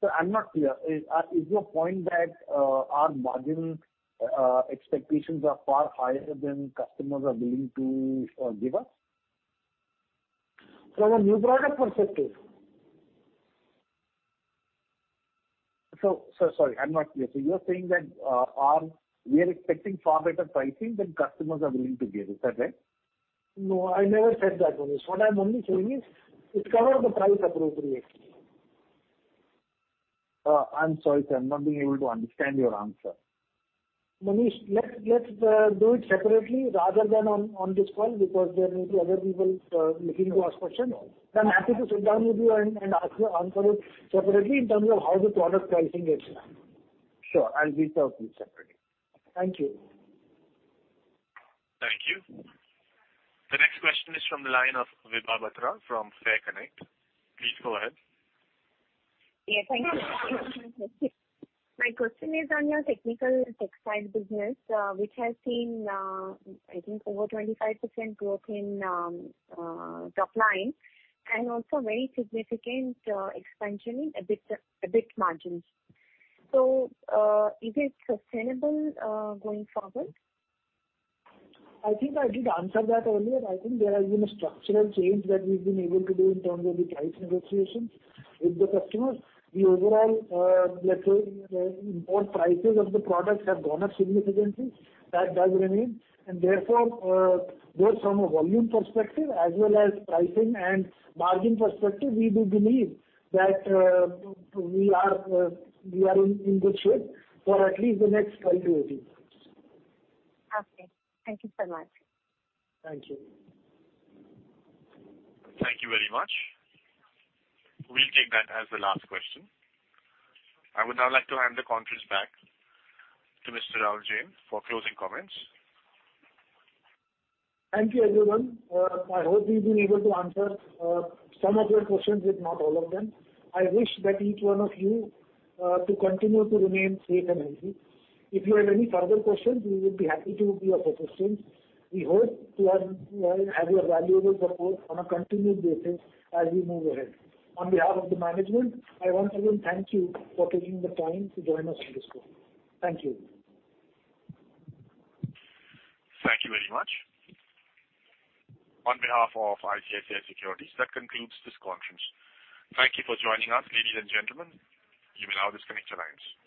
Sir, I'm not clear. Is your point that our margin expectations are far higher than customers are willing to give us? From a new product perspective. Sir, sorry. I'm not clear. You're saying that we are expecting far better pricing than customers are willing to give. Is that right? No, I never said that, Manish. What I'm only saying is, we've covered the price appropriately. I'm sorry, sir. I'm not being able to understand your answer. Manish, let's do it separately rather than on this call, because there may be other people looking to ask questions. I'm happy to sit down with you and answer it separately in terms of how the product pricing gets done. Sure. I'll reach out to you separately. Thank you. Thank you. The next question is from the line of Vibha Batra from FairConnect. Please go ahead. Yes, thank you. My question is on your technical textile business, which has seen, I think, over 25% growth in top line and also very significant expansion in EBIT margins. Is it sustainable going forward? I think I did answer that earlier. I think there has been a structural change that we've been able to do in terms of the price negotiations with the customers. The overall, let's say, input prices of the product have gone up significantly. That does remain. Therefore, both from a volume perspective as well as pricing and margin perspective, we do believe that we are in good shape for at least the next 12 to 18 months. Okay. Thank you so much. Thank you. Thank you very much. We will take that as the last question. I would now like to hand the conference back to Mr. Rahul Jain for closing comments. Thank you, everyone. I hope we've been able to answer some of your questions, if not all of them. I wish that each one of you to continue to remain safe and healthy. If you have any further questions, we would be happy to be of assistance. We hope to have your valuable support on a continued basis as we move ahead. On behalf of the management, I once again thank you for taking the time to join us on this call. Thank you. Thank you very much. On behalf of ICICI Securities, that concludes this conference. Thank you for joining us, ladies and gentlemen. You may now disconnect your lines.